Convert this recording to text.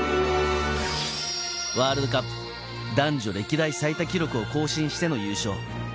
ワールドカップ男女歴代最多記録を更新しての優勝。